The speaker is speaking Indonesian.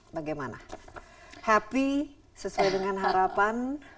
bagaimana happy sesuai dengan harapan